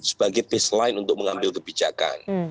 sebagai baseline untuk mengambil kebijakan